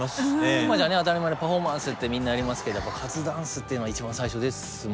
今じゃ当たり前のパフォーマンスってみんなやりますけどもカズダンスっていうのは一番最初ですもん